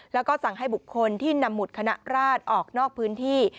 แล้วก็สั่งให้บุคคลที่นำหุดคณะราชออกนอกพื้นที่